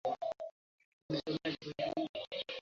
সতীশের ভাবখানা দেখে বুঝতে পার না!